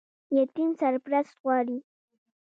یتیم سرپرست غواړي